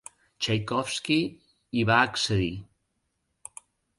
Txaikovski hi va accedir.